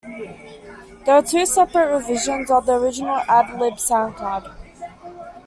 There are two separate revisions of the original AdLib sound card.